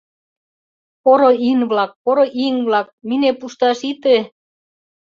Поро ин-влак, поро иҥ-влак, мине пушташ ите.